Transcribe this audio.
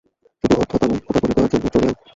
শুধু ওর থোঁতা মুখ ভোঁতা করে দেওয়ার মতো জোরে আরকি।